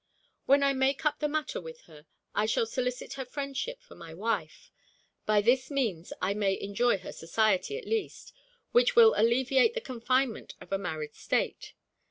When I make up the matter with her, I shall solicit her friendship for my wife. By this means I may enjoy her society, at least, which will alleviate the confinement of a married state.